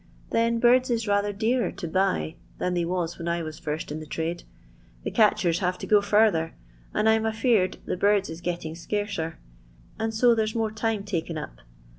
Then birds is ' d«nr to bny than they was when I was 1 tba trade. The catchers haye to go further, 'm afeared the birds is getting scarcer, and n 's more time taken up.